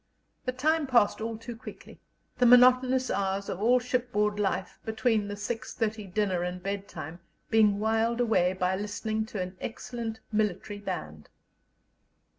The time passed all too quickly, the monotonous hours of all shipboard life, between the six thirty dinner and bedtime, being whiled away by listening to an excellent military band.